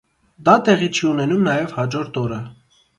Դա տեղի չի ունենում նաև հաջորդ օրը։